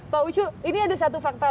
pak ucu ini ada satu fakta